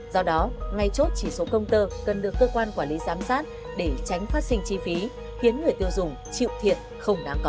do đó ngay chốt chỉ số công tơ cần được cơ quan quản lý giám sát để tránh phát sinh chi phí khiến người tiêu dùng chịu thiệt không đáng có